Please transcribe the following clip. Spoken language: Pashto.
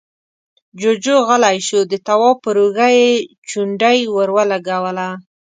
جُوجُو غلی شو، د تواب پر اوږه يې چونډۍ ور ولګوله: